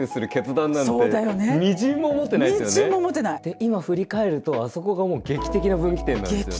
で今振り返るとあそこがもう劇的な分岐点なんですよね。